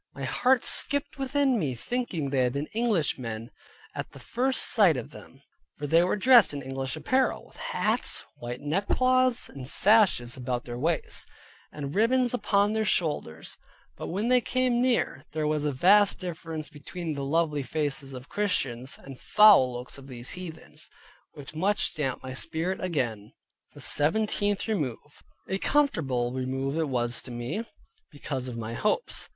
My heart skipped within me, thinking they had been Englishmen at the first sight of them, for they were dressed in English apparel, with hats, white neckcloths, and sashes about their waists; and ribbons upon their shoulders; but when they came near, there was a vast difference between the lovely faces of Christians, and foul looks of those heathens, which much damped my spirit again. THE SEVENTEENTH REMOVE A comfortable remove it was to me, because of my hopes.